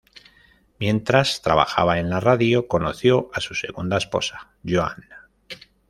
Mientras trabajaba en la radio conoció a su segunda esposa, Joanna.